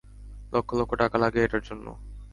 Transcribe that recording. লক্ষ লক্ষ টাকা লাগে এটার জন্য।